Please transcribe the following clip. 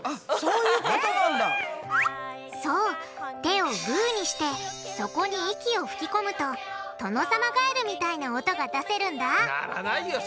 そう手をグーにしてそこに息を吹き込むとトノサマガエルみたいな音が出せるんだ鳴らないよ